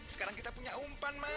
sekarang kita punya umpan mas